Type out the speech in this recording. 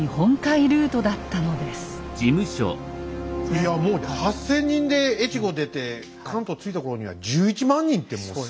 いやもう８，０００人で越後出て関東着いた頃には１１万人ってもうすごいですよね。